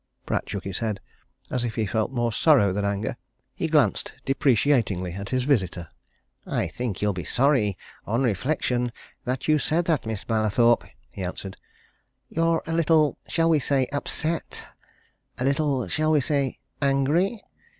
Pratt shook his head as if he felt more sorrow than anger. He glanced deprecatingly at his visitor. "I think you'll be sorry on reflection that you said that, Miss Mallathorpe," he answered. "You're a little shall we say upset? A little shall we say angry?